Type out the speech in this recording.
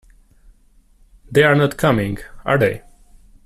They're not coming, are they?